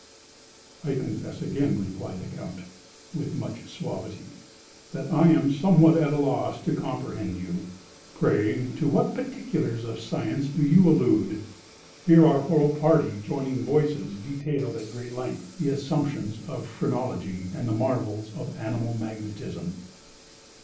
"I confess again," replied the Count, with much suavity, "that I am somewhat at a loss to comprehend you; pray, to what particulars of science do you allude?" Here our whole party, joining voices, detailed, at great length, the assumptions of phrenology and the marvels of animal magnetism.